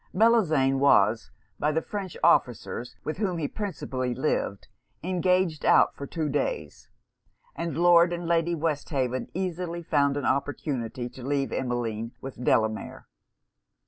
Bellozane was, by the French officers, with whom he principally lived, engaged out for two days; and Lord and Lady Westhaven easily found an opportunity to leave Emmeline with Delamere.